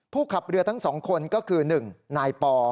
ขับเรือทั้ง๒คนก็คือ๑นายปอ